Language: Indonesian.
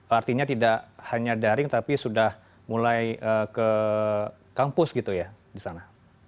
artinya tidak hanya daring tapi sudah mulai ke kampus gitu ya di sana